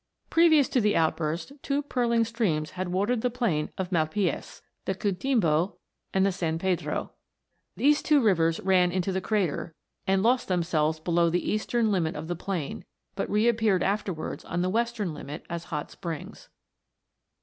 Previous to the outburst, two purling streams had watered the plain of Malpays, the Outimbo, and the San Pedro. These two rivers ran into the crater, and lost themselves below at the eastern limit of the plain, but reappeared afterwards on the western limit as hot springs.